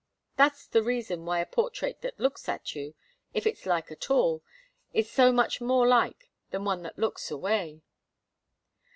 That's the reason why a portrait that looks at you, if it's like at all, is so much more like than one that looks away."